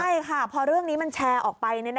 ใช่ค่ะพอเรื่องนี้มันแชร์ออกไป